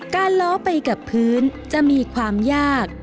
ล้อไปกับพื้นจะมีความยาก